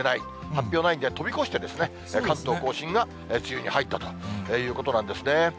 発表ないんで、飛び越して、関東甲信が梅雨に入ったということなんですね。